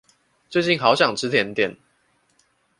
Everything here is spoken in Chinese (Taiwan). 最近好想吃甜點